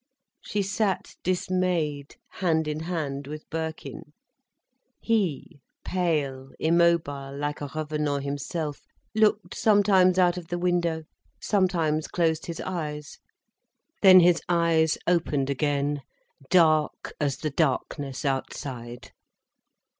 She sat dismayed, hand in hand with Birkin. He pale, immobile like a revenant himself, looked sometimes out of the window, sometimes closed his eyes. Then his eyes opened again, dark as the darkness outside.